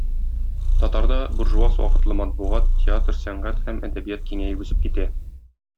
Татарда буржуаз вакытлы матбугат, театр, сәнгать һәм әдәбият киңәеп үсеп китә.